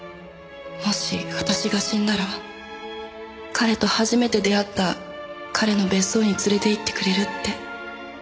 「もし私が死んだら彼と初めて出会った彼の別荘につれていってくれるって」